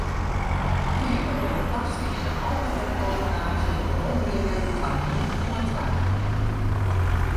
De Keamer wol it tastiene alkoholpromillaazje werombringe ta nul komma twa.